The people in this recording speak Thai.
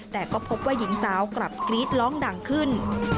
แต่ก็พบว่าหญิงสาวกลับกรี๊ดร้องดังขึ้น